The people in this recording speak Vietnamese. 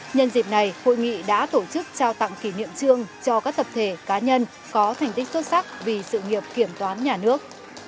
nhân dịp này hội nghị đã tổ chức trao tặng kỷ niệm trương cho các tập thể cá nhân có thành tích xuất sắc vì sự nghiệp kiểm toán nhà nước